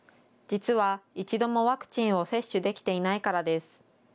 実は一度もワクチンを接種できていないからです。